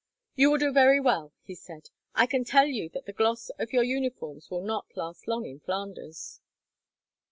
"You will do very well," he said. "I can tell you that the gloss of your uniforms will not last long, in Flanders."